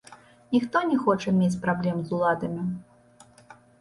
Ніхто не хоча мець праблем з уладамі.